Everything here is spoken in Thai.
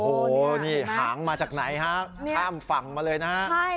โอ้โหหางมาจากไหนคะท่ามฝั่งมาเลยนะ